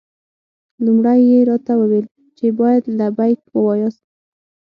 لومړی یې راته وویل چې باید لبیک ووایاست.